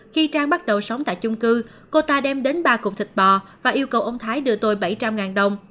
khi trang bắt đầu sống tại chung cư cô ta đem đến ba cụm thịt bò và yêu cầu ông thái đưa tôi bảy trăm linh đồng